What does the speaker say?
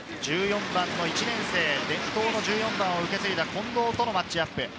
１４番の１年生、伝統の１４番を受け継いだ近藤とのマッチアップ。